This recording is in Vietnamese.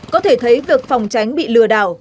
có thể thấy việc phòng tránh bị lừa đảo